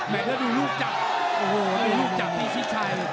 แม่งเธอดูลูกจับดูลูกจับพี่ชิคชัย